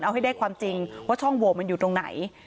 เอาให้ได้ความจริงว่าช่องโหวตมันอยู่ตรงไหน